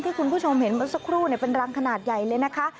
คุณผู้ชมเห็นเมื่อสักครู่เป็นรังขนาดใหญ่เลยนะคะ